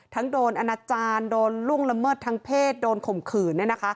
โดนอนาจารย์โดนล่วงละเมิดทางเพศโดนข่มขืน